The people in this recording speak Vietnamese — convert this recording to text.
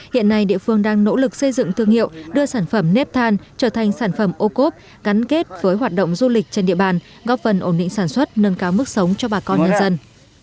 hiện nay địa phương đang nỗ lực xây dựng thương hiệu đưa sản phẩm nếp than trở thành sản phẩm ô cốp gắn kết với hoạt động du lịch trên địa bàn góp phần ổn định sản xuất nâng cao mức sống cho bà con nhân dân